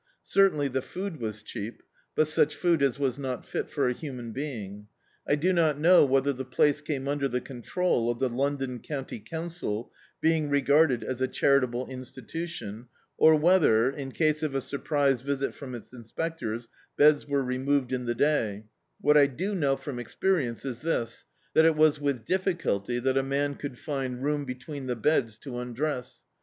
Certainly the food was cheap, but such food as was not fit for a human being. I do not know whether the place came un der the control of the Londai County Council, being regarded as a charitable institution, or whether, in case of a surprise visit from its inspectors, beds were removed in the day: what I do know from experi ence is this, that it was with difHculty that a man could find room between the beds to undress.